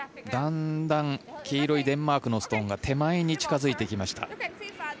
だんだん、黄色いデンマークのストーンが手前に近づいてきました。